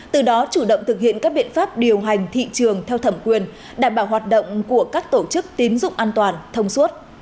từ đó chủ động thực hiện các biện pháp điều hành thị trường theo thẩm quyền đảm bảo hoạt động của các tổ chức tín dụng an toàn thông suốt